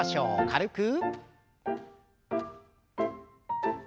軽く。